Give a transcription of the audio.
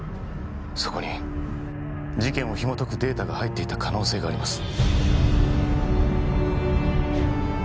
そこに事件をひもとくデータが入っていた可能性があります